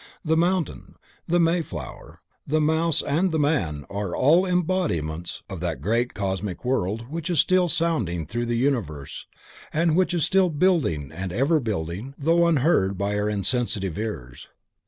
The mountain, the mayflower, the mouse and the man are all embodiments of that great Cosmic Word which is still sounding through the universe and which is still building and ever building though unheard by our insensitive ears.